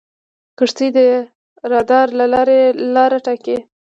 کښتۍ د رادار له لارې لاره ټاکي.